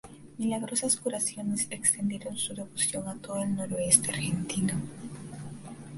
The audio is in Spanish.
Milagrosas curaciones extendieron su devoción a todo el Noroeste Argentino.